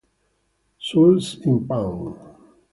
Souls in Pawn